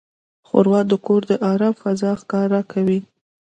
ښوروا د کور د آرام فضا ښکاره کوي.